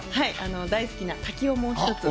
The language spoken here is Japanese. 大好きな滝をもう一つ。